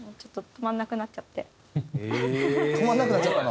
止まんなくなっちゃったの。